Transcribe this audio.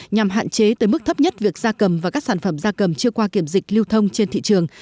nhằm hạn chế tới mức thấp nhất việc da cầm và các sản phẩm da cầm chưa qua kiểm dịch lưu thông trên thị trường